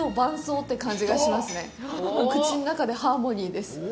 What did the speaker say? もう、口の中でハーモニーです。